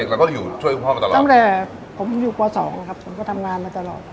ตั้งแต่ผมอยู่ป๒ครับผมก็ทำงานมาตลอด